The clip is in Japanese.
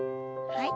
はい。